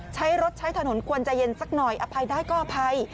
ใช้รถใช้ถนนควรจะเย็นสักหน่อยอภัยได้ก็อภัย